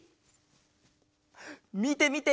みてみて！